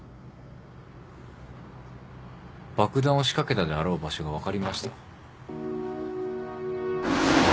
爆弾を仕掛けたであろう場所が分かりました。